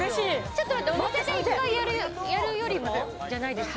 ちょっと待ってお店で１回やるよりもじゃないです？